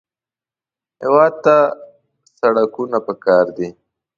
هېواد ته سړکونه پکار دي